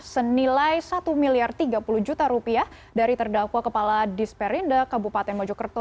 senilai satu miliar tiga puluh juta rupiah dari terdakwa kepala disperinda kabupaten mojokerto